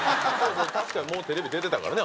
確かにもうテレビ出てたからね。